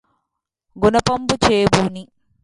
గునపంబు చేబూని